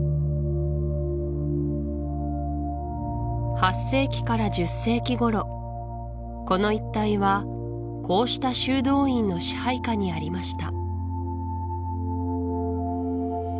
８世紀から１０世紀頃この一帯はこうした修道院の支配下にありました